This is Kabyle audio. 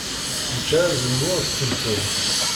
Nečča azemmur s temtunt.